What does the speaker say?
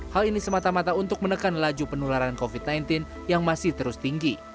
hal ini semata mata untuk menekan laju penularan covid sembilan belas yang masih terus tinggi